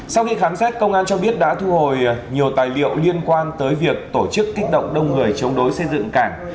sau khi khám xét công an cho biết đã thu hồi nhiều tài liệu liên quan tới việc tổ chức kích động đông người chống đối xây dựng cảng